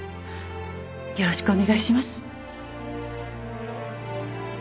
よろしくお願いします